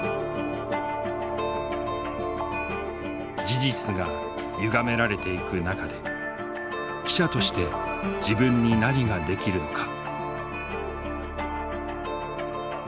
事実がゆがめられていく中で記者として自分に何ができるのか。